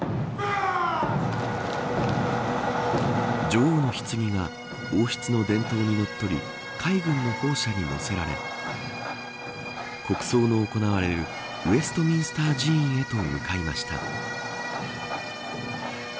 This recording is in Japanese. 女王のひつぎが王室の伝統にのっとり海軍の砲車に乗せられ国葬の行われるウェストミンスター寺院へと向かいました。